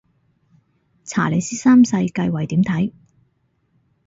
查理斯三世繼位點睇